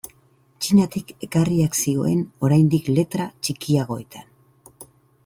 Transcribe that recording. Txinatik ekarriak zioen oraindik letra txikiagoetan.